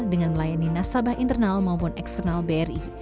dengan melayani nasabah internal maupun eksternal bri